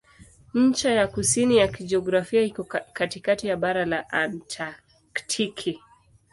Ncha ya kusini ya kijiografia iko katikati ya bara la Antaktiki.